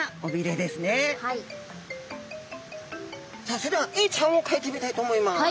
さあそれではエイちゃんをかいてみたいと思います。